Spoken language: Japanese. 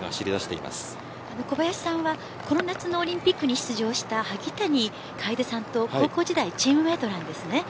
小林さんはこの夏のオリンピックに出場した萩谷楓さんと高校時代チームメートです。